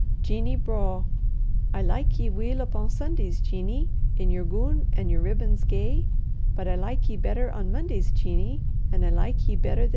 JEANIE BRAW I like ye weel upo' Sundays, Jeanie, In yer goon an' yer ribbons gay; But I like ye better on Mondays, Jeanie, And I like ye better the day.